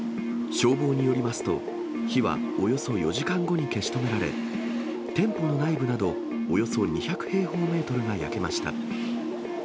消防によりますと、火はおよそ４時間後に消し止められ、店舗の内部などおよそ２００平方メートルが焼けました。